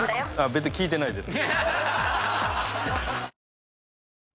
別に聞いてないです。